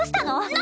何？